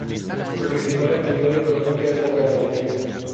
Su principal actividad económica es la ganadería.